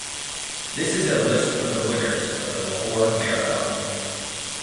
This is a list of the winners of the Lahore Marathon.